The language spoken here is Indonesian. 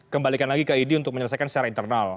kembalikan lagi ke idi untuk menyelesaikan secara internal